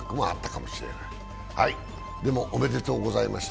でもおめでとうございました。